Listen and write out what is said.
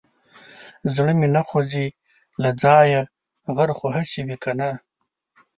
زړه مې نه خوځي له ځايه غر خو هسي وي که نه.